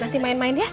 nanti main main ya